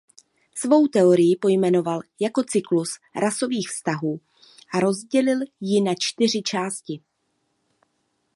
Svou teorii pojmenoval jako cyklus rasových vztahů a rozdělil ji na čtyři části.